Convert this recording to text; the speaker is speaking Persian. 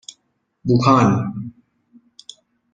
بوکان